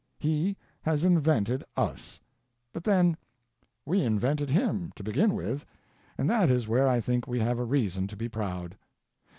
He has invented us, but then we invented him, to begin with, and that is where I think we have reason to be proud.